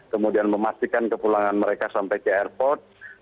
kemudian memastikan kepulangan mereka sampai ke airport